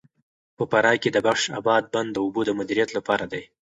په فراه کې د بخش اباد بند د اوبو د مدیریت لپاره دی.